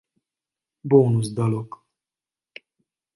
Bónusz dalok